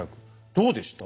どうでした？